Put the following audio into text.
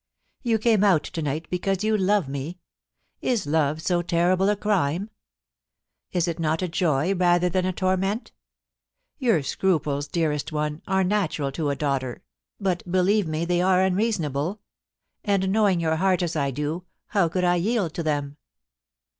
'You came out to night because you love me. Is love so terrible a crime ? Is it not a joy rather than a torment ? Your scruples, dearest one, are natural to a daughter, but, believe mc, they are unreasonable ; and knowing your heart as I do, how could I yield to them